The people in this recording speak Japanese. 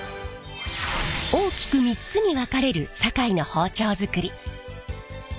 大きく３つに分かれる堺の包丁づくり。